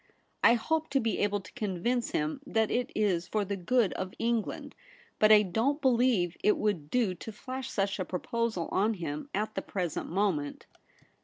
I hope to be able to convince him that it is for the good of England ; but I don't believe it would do to flash such a proposal on him at the present moment.